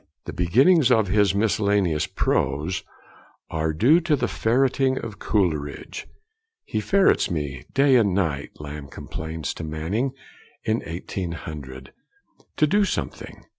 The beginnings of his miscellaneous prose are due to the 'ferreting' of Coleridge. 'He ferrets me day and night,' Lamb complains to Manning in 1800, 'to do something.